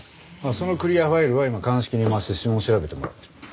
そのクリアファイルは今鑑識に回して指紋調べてもらってる。